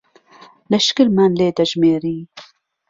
لشکرمان لێ دهژمێری